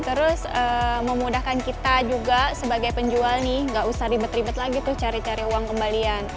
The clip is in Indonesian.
terus memudahkan kita juga sebagai penjual nih gak usah ribet ribet lagi tuh cari cari uang kembalian